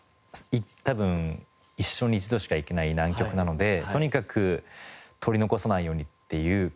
たぶん一生に一度しか行けない南極なのでとにかく撮り残さないようにっていう感覚で行ったので。